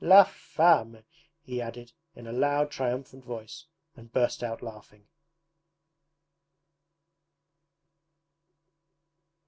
'LA FAME!' he added in a loud triumphant voice and burst out laughing.